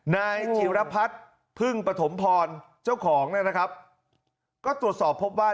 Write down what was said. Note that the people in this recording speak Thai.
นายจิรพัฒน์พึ่งปฐมพรเจ้าของนะครับก็ตรวจสอบพบว่า